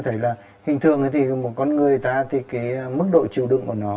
thấy là hình thường thì một con người ta thì cái mức độ chịu đựng của nó